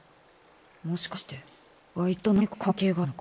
もしかしてアイツと何か関係があるのか？